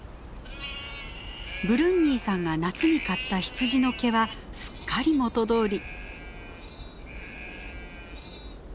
ブルンニーさんが夏に刈った羊の毛はすっかり元どおり。